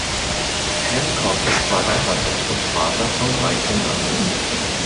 Hancock ist verheiratet und Vater von drei Kindern.